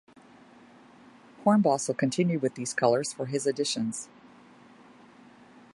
Hornbostel continued with these colors for his additions.